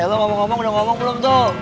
lo udah ngomong belum tuh